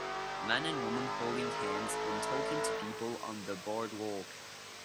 Man and woman holding hands and talking to people on the boardwalk